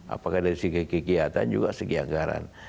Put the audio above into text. apakah dari segi kegiatan juga segi anggaran